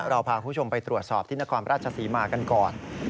เราพาคุณผู้ชมไปตรวจสอบที่นครราชศรีมากันก่อน